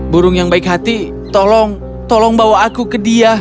burung yang baik hati tolong tolong bawa aku ke dia